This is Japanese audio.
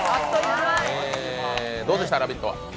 どうでした、「ラヴィット！」は。